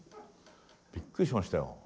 びっくりしましたよ。